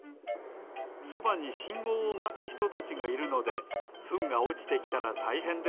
そばにしんごうをまつひとたちがいるのでフンがおちてきたらたいへんです。